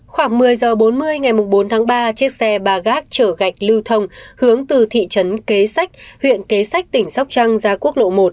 khoảng một mươi h bốn mươi ngày bốn tháng ba chiếc xe ba gác chở gạch lưu thông hướng từ thị trấn kế sách huyện kế sách tỉnh sóc trăng ra quốc lộ một